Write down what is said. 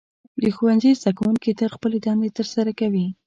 د ښوونځي زده کوونکي تل خپلې دندې ترسره کوي.